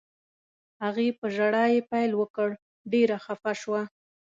هغې په ژړا یې پیل وکړ، ډېره خفه شوه.